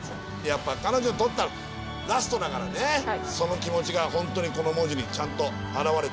やっぱ彼女にとったらラストだからねその気持ちが本当にこの文字にちゃんと表れた。